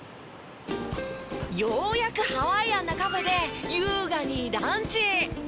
ようやくハワイアンなカフェで優雅にランチ！